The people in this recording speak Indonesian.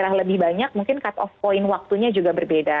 tapi karena lebih banyak mungkin cut off point waktunya juga berbeda